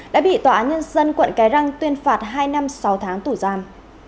đã bị tòa nhân dân quận cái răng tuyên phạt hai năm sáu tháng tủ giam